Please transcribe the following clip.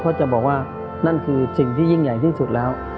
เพราะจะบอกว่านั่นคือสิ่งที่ยิ่งใหญ่ที่สุดแล้ว